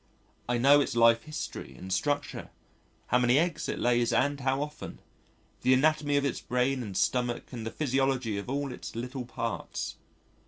I know its life history and structure, how many eggs it lays and how often, the anatomy of its brain and stomach and the physiology of all its little parts.